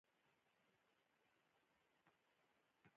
تاسو یوازې باید وګورئ دا هلته دی